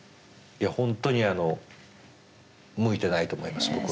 いや本当にあの向いてないと思います